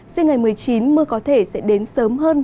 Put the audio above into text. sinh ngày một mươi chín mưa có thể sẽ đến sớm hơn